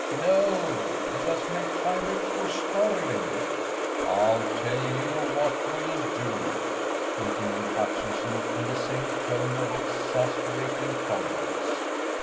"No, let us make direct for Stirling." "I'll tell you what we'll do," continued Hutchinson in the same tone of exasperating tolerance.